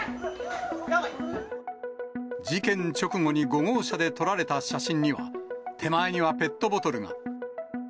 事件直後に５号車で撮られた写真には、手前にはペットボトルが。